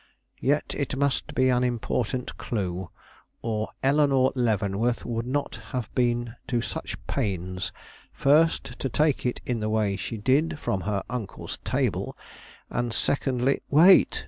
"Yet it must be an important clue, or Eleanore Leavenworth would not have been to such pains, first to take it in the way she did from her uncle's table, and secondly " "Wait!